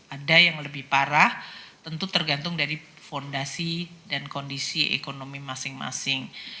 ada yang lebih parah tentu tergantung dari fondasi dan kondisi ekonomi masing masing